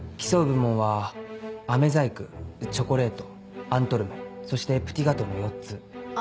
競う部門はアメ細工チョコレートアントルメそしてプティガトーの４つ。